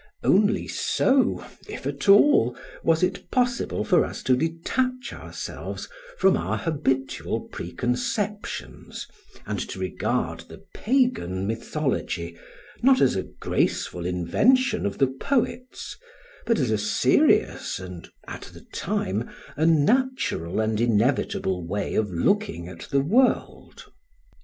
Only so, if at all, was it possible for us to detach ourselves from our habitual preconceptions, and to regard the pagan mythology not as a graceful invention of the poets, but as a serious and, at the time, a natural and inevitable way of looking at the world.